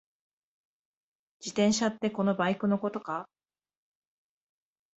自転車ってこのバイクのことか？